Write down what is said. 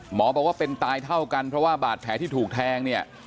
บอกว่าเป็นตายเท่ากันเพราะว่าบาดแผลที่ถูกแทงเนี่ย